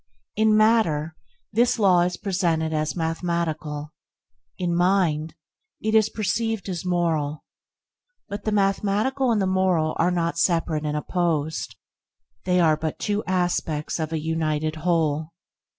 In matter, this law is presented as mathematical; in mind, it is perceived as moral. But the mathematical and the moral are not separate and opposed; they are but two aspects of a united whole.